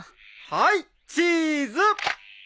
はいチーズ！